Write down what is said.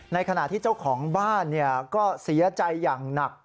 ในขณะที่เจ้าของบ้านก็เสียใจอย่างหนัก